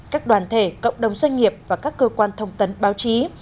các đoàn thể cộng đồng doanh nghiệp và các cơ quan thông tấn báo chí